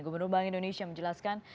gubernur bank indonesia menjelaskan